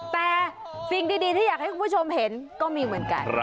แต่สิ่งดีที่อยากให้คุณผู้ชมเห็นก็มีเหมือนกัน